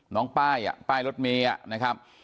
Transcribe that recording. น้องป้ายป้ายรถเมย์นะครับ